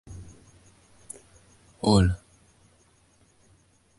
El large white es originario del Condado de Yorkshire en Inglaterra.